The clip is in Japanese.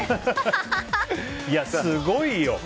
すごいよ。